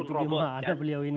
itu gimana ada beliau ini